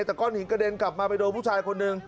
แต่ก้อนหินกระเด็นกลับมาไปโดนผู้ชายคนหนึ่ง